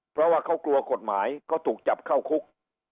เพราะว่าเขากลัวกฎหมายเขาถูกจับเข้าคุก